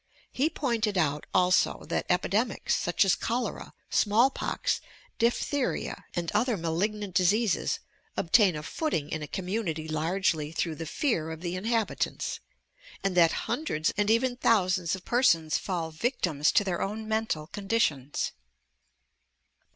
He pointed out, also, that epidemics, such as cholera, small pox, diphtheria and other malignant diseases, obtain a footing in a eommunity largely through the fear of the inhabitants, and that hundreds and even thousands of persons fail victims to their own mental conditions.